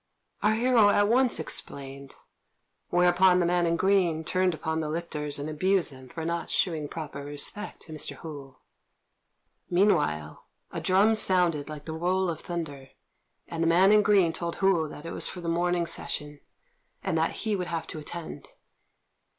Our hero at once explained; whereupon the man in green turned upon the lictors and abused them for not shewing proper respect to Mr. Hou. Meanwhile a drum sounded like the roll of thunder, and the man in green told Hou that it was for the morning session, and that he would have to attend.